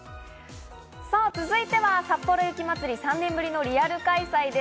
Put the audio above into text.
続いては、さっぽろ雪まつり、３年ぶりのリアル開催です。